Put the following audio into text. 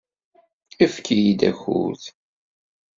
Efk-iyi akud.